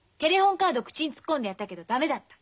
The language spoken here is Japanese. カード口に突っ込んでやったけど駄目だった。